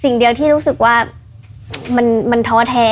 สิ่งเดียวที่รู้สึกว่ามันท้อแท้